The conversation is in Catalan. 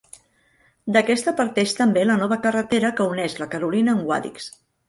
D'aquesta parteix també la nova carretera que uneix La Carolina amb Guadix.